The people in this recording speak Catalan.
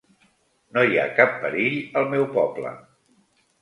No hi ha cap perill al meu poble.